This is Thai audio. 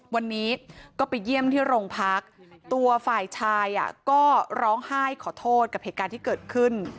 วันนี้ก็ไปเยี่ยมที่โรงพักตัวฝ่ายชายก็ร้องไห้ขอโทษกับเหตุการณ์ที่เกิดขึ้น